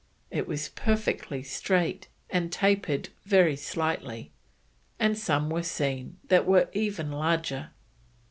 It was perfectly straight, and tapered very slightly, and some were seen that were even larger.